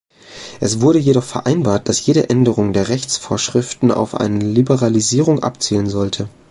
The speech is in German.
Es wurde jedoch vereinbart, dass jede Änderung der Rechtsvorschriften auf eine Liberalisierung abzielen sollte.